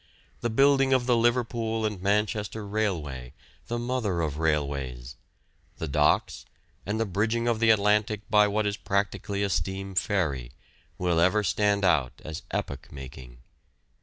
The building of the Liverpool and Manchester Railway, the mother of railways, the docks, and the bridging of the Atlantic by what is practically a steam ferry, will ever stand out as epoch making.